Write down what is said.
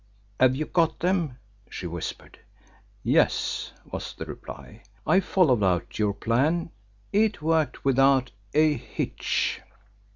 "Have you got them?" she whispered. "Yes," was the reply. "I followed out your plan it worked without a hitch."